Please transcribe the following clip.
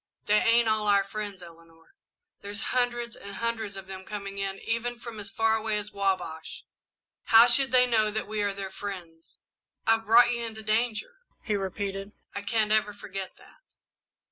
"They ain't all our friends, Eleanor. There's hundreds and hundreds of them coming in, even from as far away as the Wabash. How should they know that we are their friends? I've brought you into danger," he repeated. "I can't ever forget that."